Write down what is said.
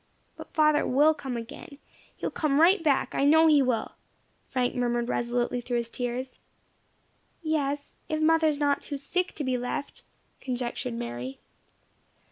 "But father will come again he will come right back I know he will," Frank murmured resolutely through his tears. "Yes, if mother is not too sick to be left," conjectured Mary.